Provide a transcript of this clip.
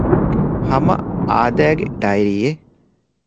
ހަމަ އާދައިގެ ޑައިރީއެއް